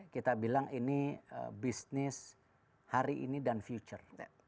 kita bilang ini bisnis hari ini dan future